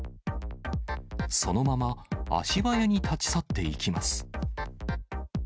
そのまま、足早に立ち去っていきます。